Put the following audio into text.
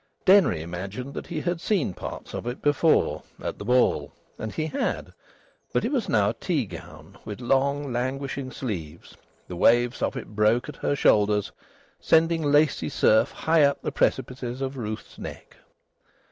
Denry imagined that he had seen parts of it before at the ball; and he had; but it was now a tea gown, with long, languishing sleeves; the waves of it broke at her shoulders, sending lacy surf high up the precipices of Ruth's neck.